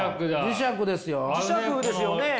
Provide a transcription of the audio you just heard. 磁石ですよね。